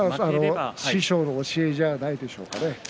師匠の教えではないでしょうか。